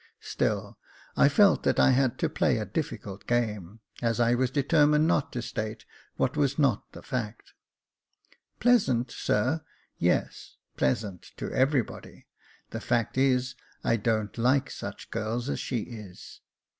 Still, I felt that I had to play a difficult game, as I was determined not to state what was not the fact. "Pleasant, sir; yes, pleasant to every body; the fact is, I don't like such girls as she is."